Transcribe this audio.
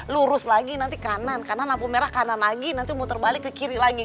lurus lagi nanti kanan karena lampu merah kanan lagi nanti muter balik ke kiri lagi